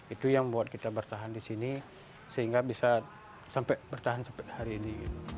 itu yang membuat kita bertahan di sini sehingga bisa sampai bertahan sampai hari ini